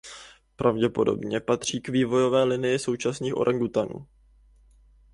Pravděpodobně patří k vývojové linii současných orangutanů.